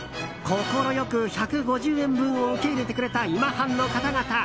快く１５０円分を受け入れてくれた今半の方々。